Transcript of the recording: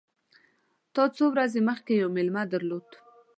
تا څو ورځي مخکي یو مېلمه درلود !